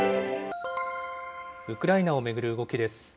ウクライナを巡る動きです。